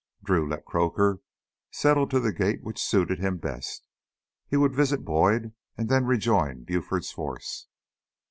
Drew let Croaker settle to the gait which suited him best. He would visit Boyd and then rejoin Buford's force.